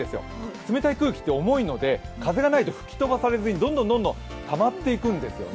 冷たい空気って重いので風がないと吹き飛ばされずにどんどんたまっていくんですよね。